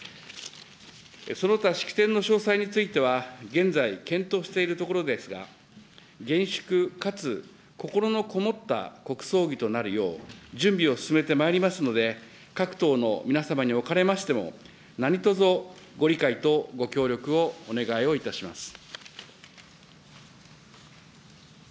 その他、式典の詳細については、現在検討しているところですが、厳粛かつ心の込もった国葬儀となるよう準備を進めてまいりますので、各党の皆様におかれましても、なにとぞご理解とご協力をお願いをいたします。